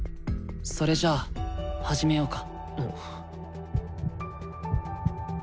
それじゃあ始めようか。